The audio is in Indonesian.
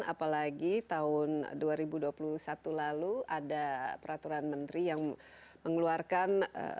apalagi tahun dua ribu dua puluh satu lalu ada peraturan menteri yang mengeluarkan